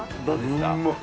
どうですか？